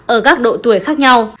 ở các độ tuổi khác nhau